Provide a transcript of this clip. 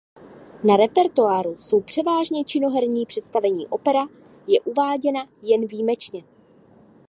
Na repertoáru jsou převážně činoherní představení Opera je uváděna jen výjimečně.